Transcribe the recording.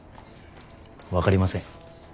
分かりません。